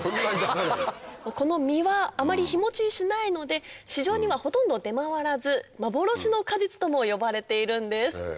この実はあまり日持ちしないので市場にはほとんど出回らず「幻の果実」とも呼ばれているんです。